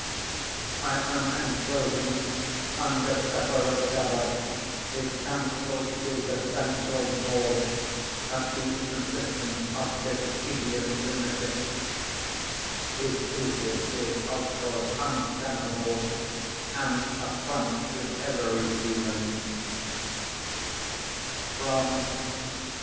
I am enclosing under separate cover his counsel to the Central Board at the insistence of this tedious lunatic. His thesis is, of course, untenable an affront to every feeling.